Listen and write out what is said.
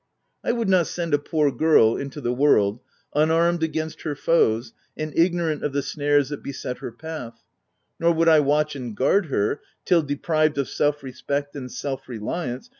I would not send a poor girl into the world, unarmed against her foes, and ignorant of the snares that beset her nath ; nor would I watch and guard her, till, deprived of self respect and self reliance?